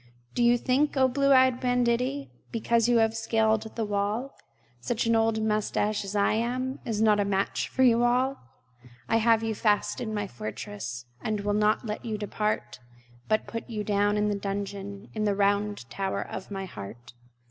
Do you think, o blue eyed banditti, Because you have scaled the wall, Such an old mustache as I am Is not a match for you all! I have you fast in my fortress, And will not let you depart, But put you down into the dungeon In the round tower of my heart.